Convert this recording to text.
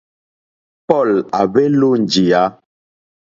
Paul à hwélō njìyá.